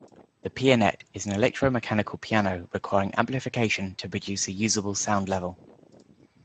The Pianet is an electro-mechanical piano requiring amplification to produce a usable sound level.